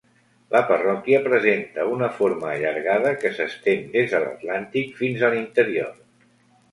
La parròquia presenta una forma allargada que s'estén des de l'Atlàntic fins a l'interior.